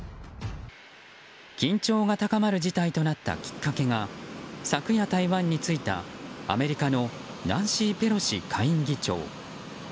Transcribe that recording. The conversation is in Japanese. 緊張が高まる事態となったきっかけが昨夜、台湾に着いたアメリカのナンシー・ペロシ下院議長。